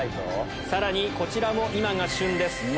さらにこちらも今が旬です。